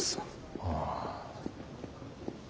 ああ。